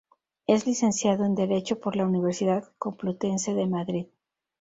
Es licenciado en Derecho por la Universidad Complutense de Madrid.